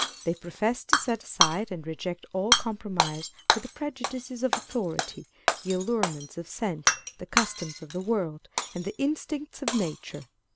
They profess to set aside and reject all compromise with the prejudices of authority, the allurements of sense, the customs of the world, and the instincts of nature.